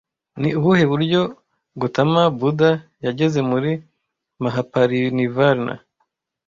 Ni ubuhe buryo Gautama Buddha yageze kuri Mahaparinirvan